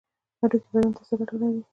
هډوکي بدن ته څه ګټه لري؟